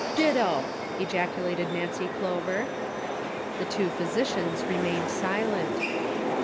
" Ditto," ejaculated Nancy Clover. Tiie two pliysicians remained silent.